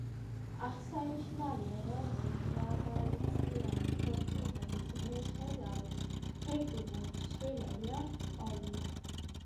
აღსანიშნავია, რომ მრავალწლიანი ქორწინების მიუხედავად ფერდინანდს შვილები არ ჰყოლია.